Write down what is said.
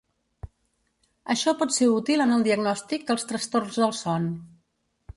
Això pot ser útil en el diagnòstic dels trastorns del son.